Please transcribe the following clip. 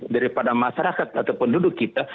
daripada masyarakat atau penduduk kita